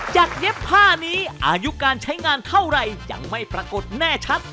เย็บผ้านี้อายุการใช้งานเท่าไหร่ยังไม่ปรากฏแน่ชัด